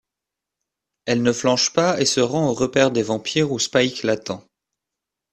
Elle ne flanche pas et se rend au repaire des vampires où Spike l'attend.